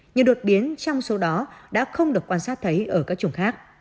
những đột biến trong số đó đã không được quan sát thấy ở các chủng khác